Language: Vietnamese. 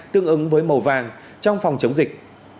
tương ứng với màu vàng trong phòng chống dịch